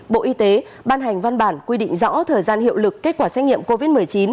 bộ y tế ban hành văn bản quy định rõ thời gian hiệu lực kết quả xét nghiệm covid một mươi chín